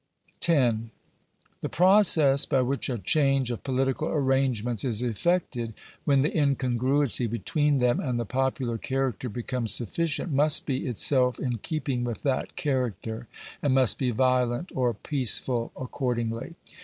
§ 10. The process by which a change of political arrangements is effected, when the incongruity between them and the popular character becomes sufficient, must be itself in keeping with that character, and must be violent or peaceful accordingly.